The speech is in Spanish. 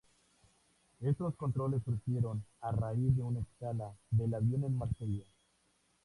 Estos controles surgieron a raíz de una escala del avión en Marsella.